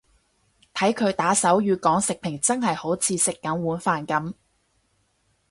睇佢打手語講食評真係好似食緊碗飯噉